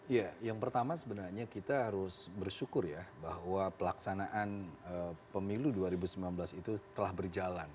ya yang pertama sebenarnya kita harus bersyukur ya bahwa pelaksanaan pemilu dua ribu sembilan belas itu telah berjalan